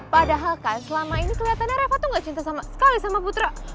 padahal kan selama ini kelihatannya reva tuh gak cinta sama sekali sama putra